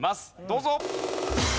どうぞ。